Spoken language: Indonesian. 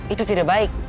itu tidak baik